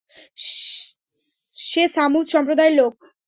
সে ছামূদ সম্প্রদায়ের লোক।